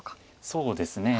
そうですね